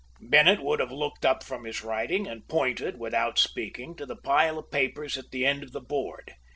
'" Bennett would have looked up from his writing, and pointed, without speaking, to the pile of papers at the end of the board.